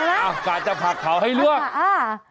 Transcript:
เวตกรรมจริงไหมนะคะ